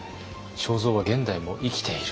正造は現代も生きている。